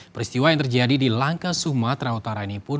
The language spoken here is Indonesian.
peristiwa yang terjadi di langka sumatera utara ini pun